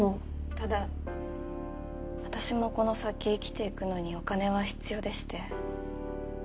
ただ私もこの先生きていくのにお金は必要でして。